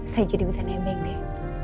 saya jadi bisa nebeng deh